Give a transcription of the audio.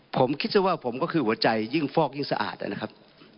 ผมคิดซะว่าผมก็คือหัวใจยิ่งฟอกยิ่งสะอาดนะครับ